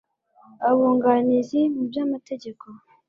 Abunganizi mu by amategeko